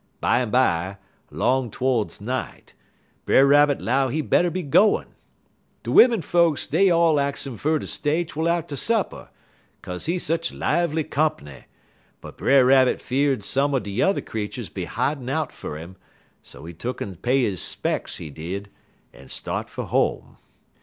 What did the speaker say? Bimeby, 'long todes night, Brer Rabbit 'low he better be gwine. De wimmen folks dey all ax 'im fer ter stay twel atter supper, 'kaze he sech lively comp'ny, but Brer Rabbit fear'd some er de yuther creeturs be hidin' out fer 'im; so he tuck'n pay his 'specks, he did, en start fer home.